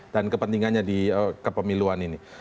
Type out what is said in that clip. dan kepentingannya di kepemiluan ini